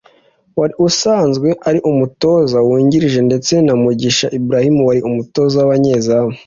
wari usanzwe ari umutoza wungirije ndetse na Mugisha Ibrahim wari umutoza w’abanyezamu